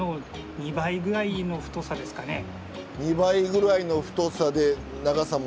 ２倍ぐらいの太さで長さもあり。